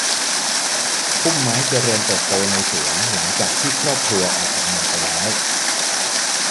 พุ่มไม้เจริญเติบโตในสวนหลังจากที่ครอบครัวออกจากเมืองไปแล้ว